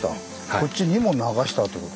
こっちにも流したってこと。